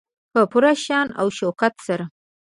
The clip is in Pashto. په پوره شان او شوکت سره.